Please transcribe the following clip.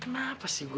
kenapa sih gue